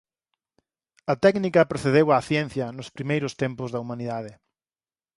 A técnica precedeu á ciencia nos primeiros tempos da humanidade.